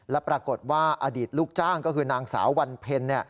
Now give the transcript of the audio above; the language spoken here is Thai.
และปรากฏว่าอดีตลูกจ้างก็คือนางสาววันเพ็ญ